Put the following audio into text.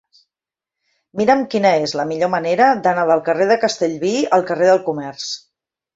Mira'm quina és la millor manera d'anar del carrer de Castellví al carrer del Comerç.